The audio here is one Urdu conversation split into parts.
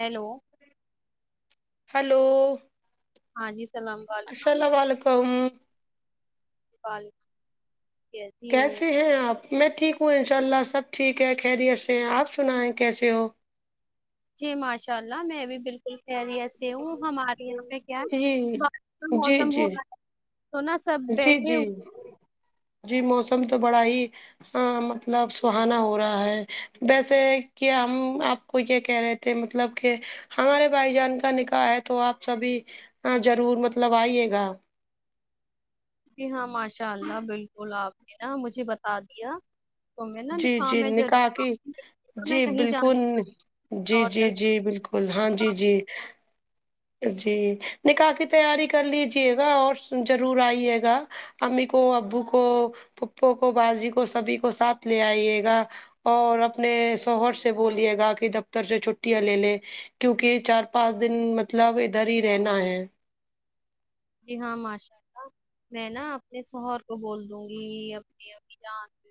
ہیلو ہیلو ہاں جی سلام وعلیکم السلام وعلیکم وعلیکم کیسی ہو کیسے ہیں آپ میں ٹھیک ہوں ان شاء اللہ سب ٹھیک ہے خیریت سے ہیں آپ سنائیں کیسے ہو جی ماشاء اللہ میں بھی بالکل خیریت سے ہوں ہمارے یہاں پہ کیا جی ہے بارش کا جی موسم ہو جی رہا ہے تو ناں جی جی جی موسم تو بڑا ہی مطلب سہانا ہو رہا ہے ویسے کہ ہم آپ کو یہ کہہ رہے تھے مطلب کہ ہمارے بھائی جان کا نکاح ہے تو آپ سب ہی ہاں جرور مطلب آئیے گا جی ہاں ماشاء اللہ بالکل آپ نے نا مجھے بتا دیا تو میں نا جی نکاح جی میں زارور نکاح کی آؤں گی تو جی میں کہیں بالکل جانا جی اور جی جگہ جی بالکل ہاں جی کا- جی جی نکاح کی تیاری کر لیجیے گا اور زارور آئیے گا امی کو ابو کو پھپو کو باجی کو سبھی کو ساتھ لے آئیے گا اور اپنے شوہر سے بولیے گا کہ دفتر سے چھٹیاں لے لے کیونکہ چار پانچ دن مطلب ادھر ہی رہنا ہے جی ہاں ماشاء اللہ میں نا اپنے سوہر کو بول دوں گی اپنی امی جان سے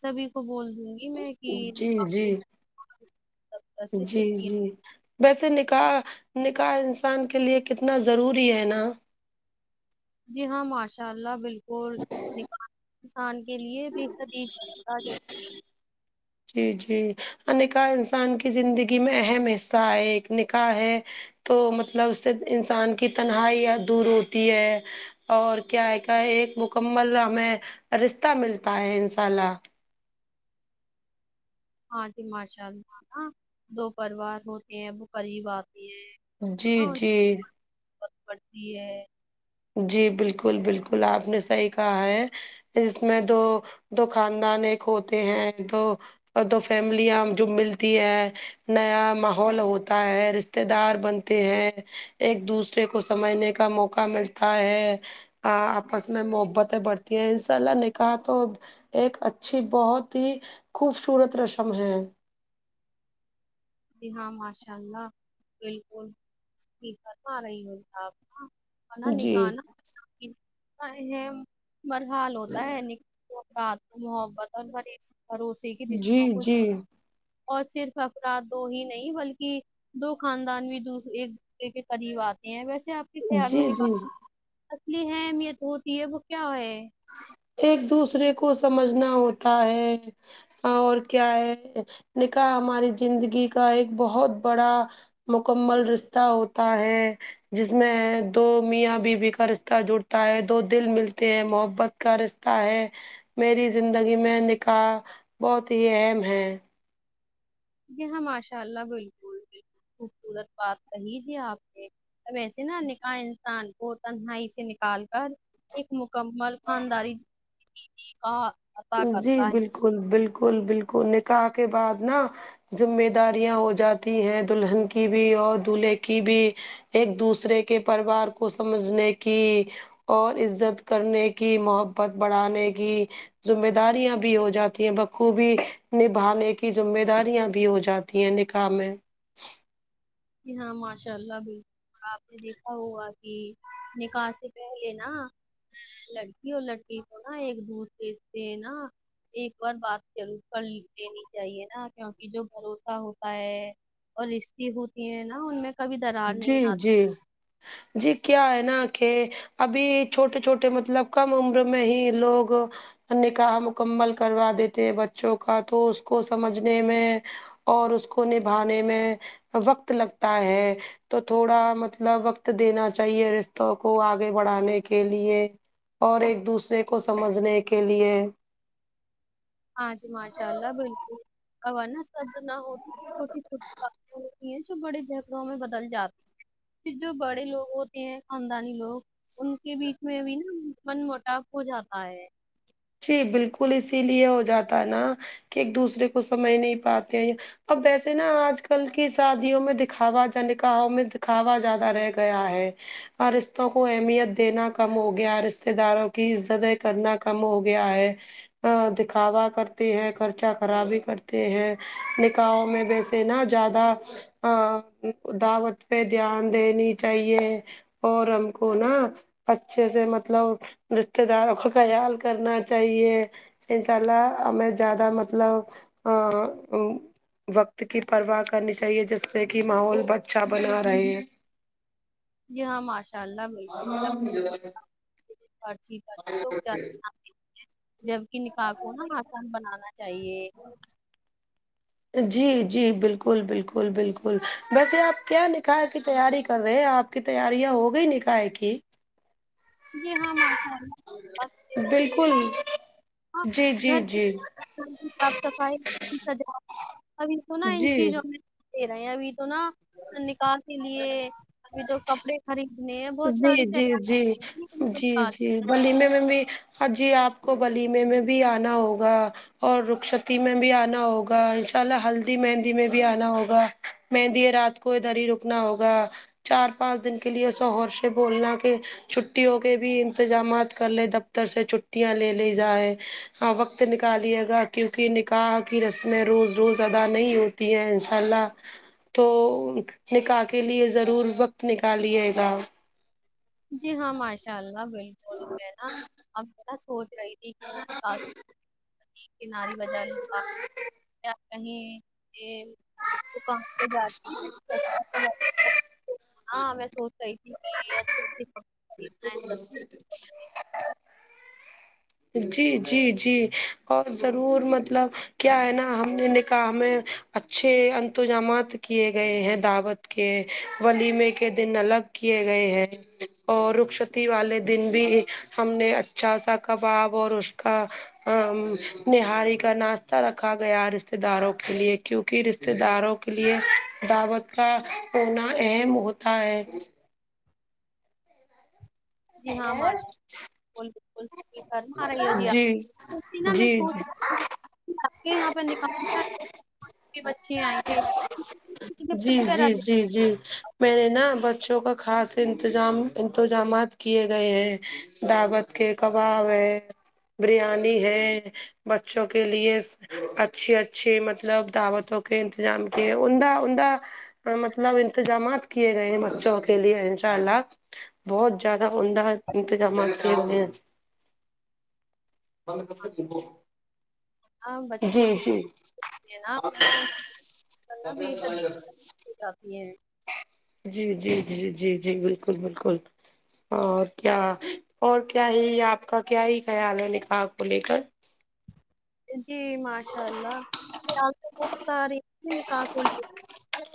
سبھی کو بول دوں گی میں کہ جی جی آپس چھٹی ہے [inaudible] ویسے نکاح نکاح انسان کے لیے کتنا ضروری ہے نا جی ہاں ماشاء اللہ بالکل نکاح انسان کے لیے بھی بےحد ہی جی جی ہ نکاح انسان کی زندگی میں اہم حصہ ہے ایک نکاح ہے تو مطلب اس سے انسان کی تنہائیاں دور ہوتی ہے اور کیا ہے کیا ایک مکمل ہمیں رستہ ملتا ہے انساء اللہ ہاں جی ماشاء اللہ ناں دو پروار ہوتے ہیں وہ قریب آتے ہیں جی جی با پڑتی ہے جی بالکل بالکل آپ نے صحیح کہا ہے اس میں دو دو خاندان ایک ہوتے ہیں تو اور دو فیملیاں جو ملتی ہے نیا ماحول ہوتا ہے رشتے دار بنتے ہیں ایک دوسرے کو سمجھنے کا موقع ملتا ہے آپس میں محبتیں بڑھتی ہیں انساء اللہ نکاح تو ایک اچھی بہت ہی خوبصورت رسم ہے جی ہاں ماشاء اللہ بالکل ٹھیک فرما رہی ہو آپ نا انا جی نکاح ناں ہے برحال ہوتا ہے رات محبت اور مری بھروسے کی جی رشتوں کو جی اور صرف افراد تو ہی نہیں بلکہ دو خاندان بھی دو ایک دوسرے کے قریب آتے ہیں ویسے آپ ا تیار میں جی جی نکالتی اصلی ہے اہمیت ہوتی ہے وہ کیا ہے ایک دوسرے کو سمجھنا ہوتا ہے اور کیا ہے نکاح ہماری زندگی کا ایک بہت بڑا مکمل رشتہ ہوتا ہے جس میں دو میاں بیوی کا رشتہ جڑتا ہے دو دل ملتے ہیں محب محبت کا رشتہ ہے میری زندگی میں نکاح بہت ہی اہم ہے جی ہاں ماشاء اللہ بالکل بالکل خوبصورت بات کہی جی آپ نے ویسے نا نکاح انسان کو تنہائی سے نکال کر ایک مکمل خانداری کا عطا جی کرتا ہے بالکل بالکل بالکل نکاح کے بعد نا ذمہ داریاں ہو جاتی ہیں دلہن کی بھی اور دولہے کی بھی ایک دوسرے کے پر وار کو سمجھنے کی اور عزت کرنے کی محبت بڑھانے کی ذمہ داریاں بھی ہو جاتی ہیں بخوبی نبھانے کی ذمہ داریاں بھی ہو جاتی ہیں نکاح میں جی ہاں ماشاء اللہ بالکل آپ نے دیکھا ہوا کہ نکاح سے پہلے نا لڑکی اور لڑکے کو نا ایک دوسرے سے نا ایک بار بات ضرور کر لینی چاہیے نا کیونکہ جو بھروسہ ہوتا ہے اور رشتے ہوتے ہیں نا ان میں کبھی درار نہیں جی آتی جی جی کیا ہے نا کہ ابھی چھوٹے چھوٹے مطلب کم عمر میں ہی لوگ نکاح مکمل کروا دیتے ہیں بچوں کا تو اس کو سمجھنے میں اور اس کو نبھانے میں وقت لگتا ہے تو تھوڑا مطلب وقت دینا چاہیے رشتوں کو آگے بڑھانے کے لیے اور ایک دوسرے کو سمجھنے کے لیے ہاں جی ماشاء اللہ بالکل ہو نا سب نہ ہوگ چھوٹی چھوٹی باتیں ہو تی ہیں جو بڑے جھگڑوں میں بدل جاتی ہیں پھر جو بڑے لوگ ہوتے ہیں خاندانی لوگ ان کے بیچ میں بھی نا من موٹاپ ہو جاتا ہے جی بالکل اسی لیے ہو جاتا ہے نا کہ ایک دوسرے کو سمجھ نہیں پاتے اب ویسے نا آج کل کی شادیوں میں دکھاوا کا نکاحوں میں دکھاوا زیادہ رہ گیا ہے اور رشتوں کو اہمیت دینا کم ہو گیاہے رشتے داروں کی عزتیں کرنا کم ہو گ گیا اے ا دکھاوا کرتے ہے خرچہ خرابی کرتے ہے نکاح میں بیس نہانہ زیادہ ا دعوت پہ دھیان دینی چاہیے اور ہم کو نا اچھے سے مطلب رشتے داروں کا خیال کرنا چاہیے انشاء اللہ میں زیادہ مطلب آں ام وقت کی پرواہ کرنی چاہیے جس سے کہ ماحول اچھا بنا رہے جی ہاں ماشاء اللہ بالکل اب [unintelligible] جبکہ نکاح کو نا آسان بنانا چاہیے [inaudible] جی جی بالکل بالکل بالکل ویسے آپ کیا نکھار کی تیاری کر رہے ہیں آپ کی تیاریاں ہو گئیں نکاح کی جی ہاں ماشاءاللہ بالکل [unintelligible] جی جی جی کی صاف صفائی کی سجاو ابھی تو نا ان جی چیزوں میں دے رہے ہیں ابھی تو نا نکاح کے لیے ابھی تو کپڑے خریدنے ہے بہت جی ساری جی جی تیاری جی سات جی ولیمے میں بھی ہ جی آپ کو ولیمے میں بھی آنا ہوگا اور رخشتی میں بھی آنا ہوگا ان شاء اللہ ہلدی مہندی میں بھی آنا ہوگا مہندی رات کو ادھر ہی روکنا ہوگا چار پانچ دن کے لیے شوہر سے بولنا کہ چھٹیوں کے بھی انتظامات کر لے دفتر سے چھٹیاں لے لیے جائائے ہاں وقت نکالیے گا کیونکہ نکاح کی رسمیں روز روز ادا نہیں ہو ان شاء اللہ تو نکاح کے لیے ضرور وقت نکالیے ہاں جی ہاں ماشاء اللہ بلکل میں نا آپ نا سوچ رہی تھی کیوں نہ نے آناری وجہ [inaudible] کہیں وہ کام پہ جاتی ہے [unintelligible] ہاں میں سوچ رہی تھی کہ [unintelligible] ہے سستے [inaudible] جی جی جی اور ضرور مطلب کیا ہے نا ہم نے نکاح میں اچھے انتظامات کیے گئے ہیں دعوت کے ولیمے کے دن الگ کیے گئے ہیں اور رکستی والے دن بھی ہم نے اچھا سا کباب اور اس کا ا نہاری کا ناشتہ رکھا گیا رشتے داروں کے لیے کیونک رشتے داروں کے لیے دعوت کا ہونا اہم ہوتا ہے [unintelligible] بلکل بلکل سحی فرما رہی ہو جی اپ میں جی سوچ جی رہی تھی آپ کے یہاں پر نکاح [inaudible] کے بچے آئیں گے گفٹ جی جی وغیرہ جی جی میرے نا بچوں کا خاص انتظام انتظامات کیے گئے ہیں دعوت کے کباب ہے بریانی ہے بچوں کے لیے اچھی اچھی مطلب دعوتوں کے انتظام کیے ان دوت عمدہ مطلب انتظامات کیے گئے ہیں بچوں کے لیے انشاء اللہ بہت زیادہ عمدہ انتظامات کیے ہوے ہیں [unintelligible] ہاں بچ جی چھوٹے جی چھوٹے ہیں نا ننا بے حد ہی کافی ہے جی جی جی جی جی بالکل بالکل اور کیا اور کیا ہی آپ کا کیا ہی خیال ہے نکاح کو لے کر جی ماشاء اللہ آپ بتا رہی تھی نکاح کو لیکر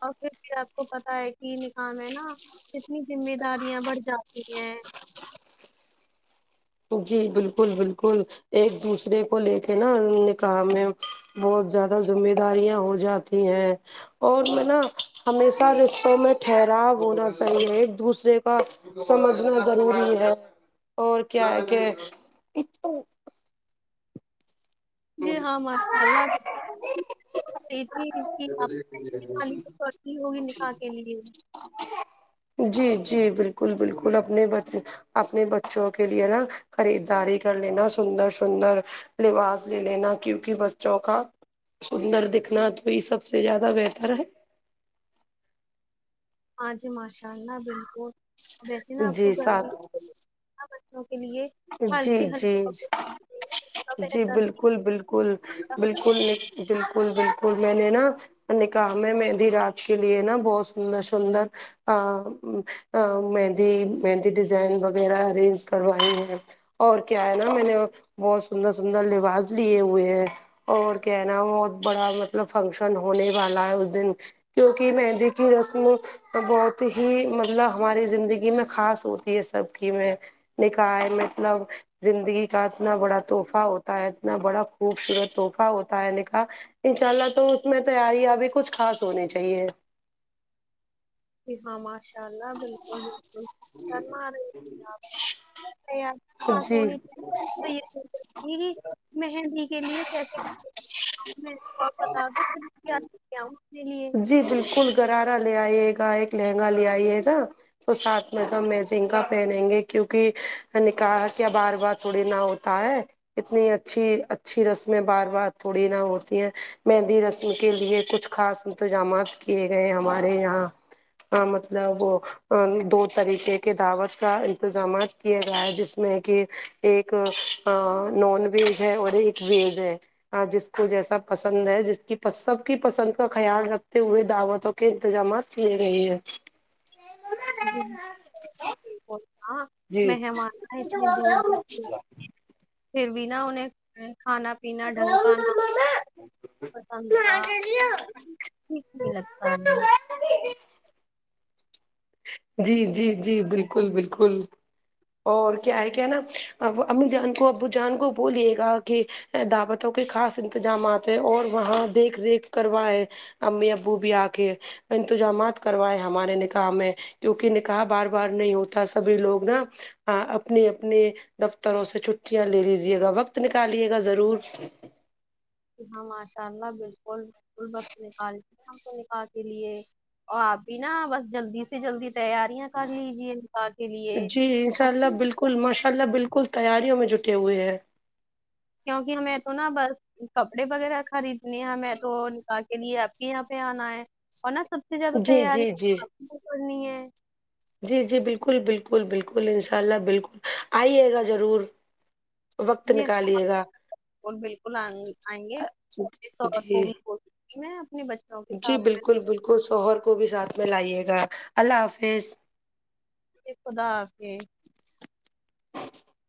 اور پھر بھی آپ کو پتا ہے کہ نکاح میں ہے نا کتنی ذمہ داریاں بڑھ جاتی ہیں جی بالکل بالکل ایک دوسرے کو لے کے نا نکاح میں بہت زیادہ ذمہ داریاں ہو جاتی ہیں اور میں نا ہمیشہ رشتوں میں ٹھہراؤ ہونا صحیح ہے ایک دوسرے کا سمجھنا ضروری ہے اور کیا ہے کہ جی ہاں ماشاء اللہ تھی آپ نکالی تو کرتی ہوگی نکاح کے لیے [unintelligible] جی جی بلکل بلکل اپنے بت اپنے بچوں کے لیے نا خریدداری کر لینا سندر سندر لباز لے لینا کیونکہ بچوں کا سندر دکھنا تو یہ سب سب سے زیادہ بہتر ہے ہاں جی ماشاء اللہ بالکل ویسے نا آپ کو جی گھر بھی ساتھ بچوں کے لیے جی ہلکی ہلکے جی کپڑے پہننا جی بہتر. بالکل بالکل بالکل بالکل بالکل میں نے نا نکاح میں ہے مہندی رات کے لیے نا بہت سندر سندر ا مہندی مہندی ڈیزائن وغیرہ ارینج کروائی ہے اور کیا ہے نا میں نے بہت سندر سندر لباس لیے ہوئے ہیں اور کیا ہے نا بہت بڑا مطلب فنکشن ہونے والا ہے اس دن کیونکہ مہندی کی رسم تو بہت ہی مطلب ہماری زندگی میں خاص ہوتی ہے سب کی میں نکاح ہے مطلب زندگی کا اتنا بڑا تحفہ ہوتا ہے اتنا بڑا خوبصورت تحفہ ہوتا ہے نکاح انشاء اللہ تو اس میں تیاریاں بھی کچھ خاص ہونی چاہیے جی ہاں ماشاء اللہ بالکل بالکل کرنا رہی آپ ارے یار کہاں جی سونی یہ کہ مہندی کے لیے کیسے کپڑے میں کو بتا دوں پھر کیا کیا ہوں اپنے لیے جی بالکل گرارا لے آئی گا ایک لہنگا لے آئیے گا تو ساتھ میں تو میچنگ کا پہنیں گے کیوں کہ نکاح کیا بار بار تھوڑی نہ ہوتا ہے اتنی اچھی اچھی رسمیں بار بار تھوڑی نہ ہوتی ہیں مہندی رسم کے لیے کچھ خاص انتظامات کیے گئے ہمارے یہاں مطلب وہ ا دو طریقے کے دعوت کا انتظامات کیا گیا ہے جس میں کہ ایک نان ویج ہے اور ایک ویج ہے ہاں جس کو جیسا پسند ہے جس کی سب کی پسند کا خیال رکھتے ہوئے دعوتوں کے انتظامات لے رہی ہیں جی اں جی مہمان اتنی دور دور سے پھر بھی نہ انہیں کھانا پنا ڈھنگ نہ پسند کا ٹھیک نہیں لگتا ہے جی جی جی بالکل بالکل اور کیا ہے کیا نا امی جان کو ابو جان کو بولیے گا کہ دعوتوں کے خاص انتظامات ہیں اور وہاں دیکھ ریکھ کروائے امی ابو بھی آ کے انتظامات کروائے ہمارے نکاح میں کیونکہ نکاح بار بار نہیں ہوتا سبھی لوگ نا آ اپنے اپنے دفتروں سے چھٹیاں لے لیجے گا وقت نکالیے گا ضرور ج ہاں ماشاء اللہ بالکل بالکل وقت نکال ہم کو نکاح کے لیے اور آپ بھی نا بس جلدی سے جلدی تیار [unintelligible] کر لیجیے نکاح کے لیے مشاء اللہ بالکل تیاریوں میں جٹے ہوئے ہیں کیونکہ ہمیں تو نا بس کپڑے وغیرہ خریدنے ہیں ہمیں تو نکاح کے لیے آپ کے یہاں پہ آنا ہے اور نا سب اتنی زیادہ جی تیاری جی جی اپن کو کرنی ہے جی جی بالکل بالکل بالکل انشاءاللہ بالکل آئیے گا ضرور وقت جی ہاں نکالیے گا اور بالکل آئیں آئیں گے کو شوہر جی کو بھی بول کے میں اپنے بچے جی بالکل بالکل شوہر کو بھی ساتھ میں لائیے گا اللہ حافظ خدا حافظ [inaudible]